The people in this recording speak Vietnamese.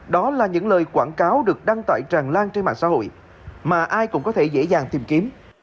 đó là những lời quảng cáo được đăng tải tràn lan trên mạng xã hội mà ai cũng có thể dễ dàng tìm kiếm